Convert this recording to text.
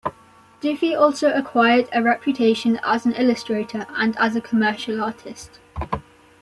Dufy also acquired a reputation as an illustrator and as a commercial artist.